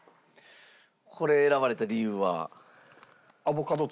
これを選ばれた理由は？